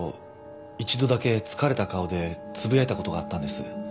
一度だけ疲れた顔でつぶやいたことがあったんです。